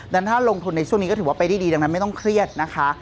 ดังนั้นถ้าลงทุนในช่วงนี้ก็ถือว่าไปได้ดีดังนั้นไม่ต้องเครียดนะคะ